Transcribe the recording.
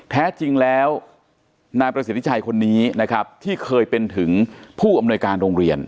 แท้จริงแล้วนายประสิทธิชัยคนนี้นะครับที่เคยเป็นถึงผู้อำนวยการโรงเรียน